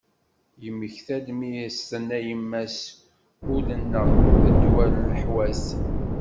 Yemmekta-d mi i as-tenna yemma-s ul-nneγ d ddwa i leḥwat.